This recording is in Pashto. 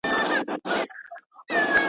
نه به ستا په کلي کي په کاڼو چا ویشتلی وي ,